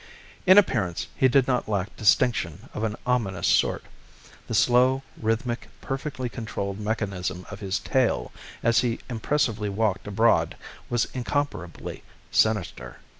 In appearance he did not lack distinction of an ominous sort; the slow, rhythmic, perfectly controlled mechanism of his tail, as he impressively walked abroad, was incomparably sinister.